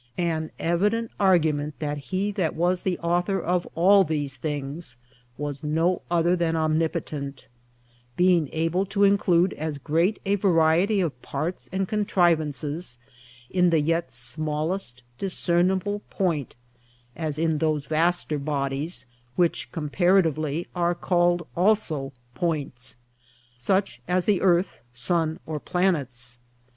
An evident Argument, that he that was the Author of all these things, was no other then Omnipotent; being able to include as great a variety of parts and contrivances in the yet smallest Discernable Point, as in those vaster bodies (which comparatively are called also Points) such as the Earth, Sun, or Planets.